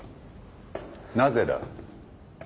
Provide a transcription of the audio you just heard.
なぜだ？